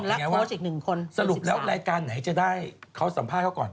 ที่เราบอกอย่างนี้ว่าสรุปแล้วรายการไหนจะได้เขาสัมภาษณ์ก่อน